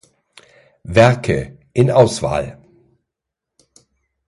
Werke (in Auswahl)